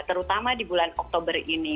terutama di bulan oktober ini